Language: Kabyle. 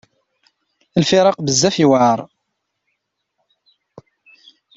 Lfiraq bezzaf yewɛer.